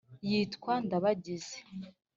yitwa ndabagize.